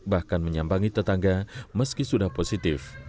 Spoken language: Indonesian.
bahkan menyambangi tetangga meski sudah positif